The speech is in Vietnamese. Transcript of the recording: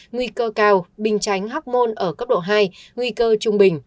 nguy cơ cao bình chánh hóc môn ở cấp độ hai nguy cơ trung bình